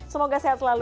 semoga sehat selalu